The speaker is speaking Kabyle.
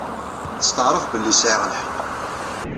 Testeɛref belli siɛiɣ lḥeqq.